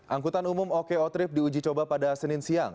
angkutan umum oko trip diuji coba pada senin siang